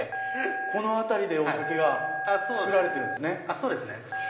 この辺りでお酒が造られてるんですね。